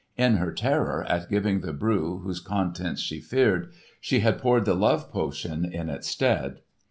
In her terror at giving the brew whose contents she feared, she had poured the love potion in its stead.